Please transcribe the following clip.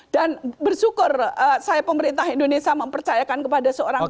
dan bersyukur saya pemerintah indonesia mempercayakan kepada seorang krema